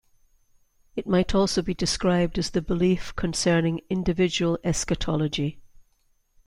It might also be described as the belief concerning individual eschatology.